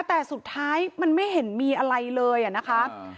แต่สุดท้ายมันไม่เห็นมีอะไรเลยอะนะคะ